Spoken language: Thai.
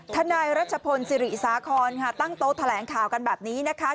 นายรัชพลศิริสาครค่ะตั้งโต๊ะแถลงข่าวกันแบบนี้นะคะ